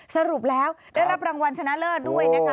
สรุปแล้วได้รับรางวัลชนะเลิศด้วยนะคะ